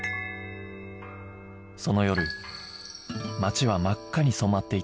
その夜街は真っ赤に染まっていたといいます